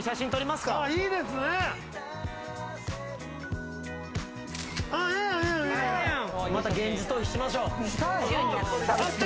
また現実逃避しましょう。